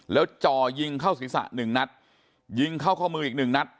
แล้วจอยิงเข้าศิษฐศ์๑นัดยิงเข้าข้อมืออีก๑นัด